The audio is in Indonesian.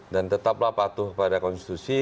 dan tetaplah patuh kepada konstitusi